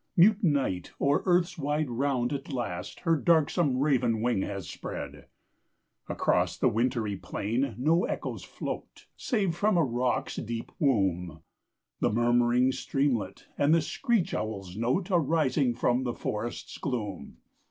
mute night o'er earth's wide round at last Her darksome raven wing has spread. Across the wintry plain no echoes float, Save, from the rock's deep womb, The murmuring streamlet, and the screech owl's note, Arising from the forest's gloom.